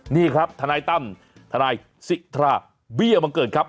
นี่ครับทนายตั้มทนายสิทราเบี้ยบังเกิดครับ